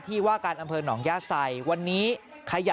พิษตูเอาไงไม่เอา